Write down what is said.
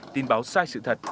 tin báo sai sự thật